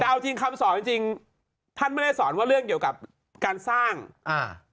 แต่เอาจริงคำสอนจริงจริงท่านไม่ได้สอนว่าเรื่องเกี่ยวกับการสร้างอ่า